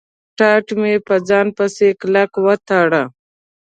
ټاټ مې په ځان پسې کلک و تاړه.